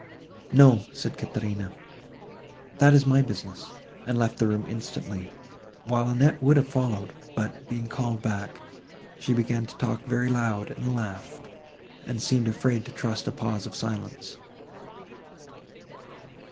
"No," said Caterina, "that is my business," and left the room instantly, while Annette would have followed; but, being called back, she began to talk very loud, and laugh, and seemed afraid to trust a pause of silence.